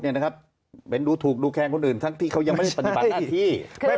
เห็นดูถูกดูแคนคนอื่นทั้งที่เขายังไม่ได้ปฏิบัติหน้าที่